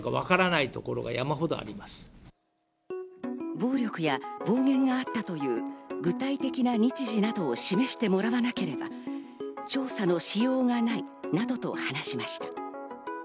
暴力や暴言があったという具体的な日時などを示してもらわなければ調査のしようがないなどと話しました。